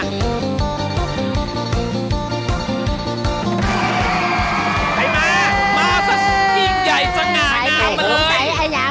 ใครมามาสักยิ่งใหญ่สง่างามมาเลย